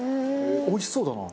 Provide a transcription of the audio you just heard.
おいしそうだな。